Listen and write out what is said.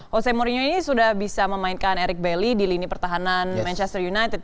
jose mourinho ini sudah bisa memainkan eric belly di lini pertahanan manchester united